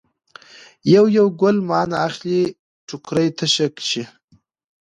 یو یو ګل مانه اخلي ټوکرۍ تشه شي.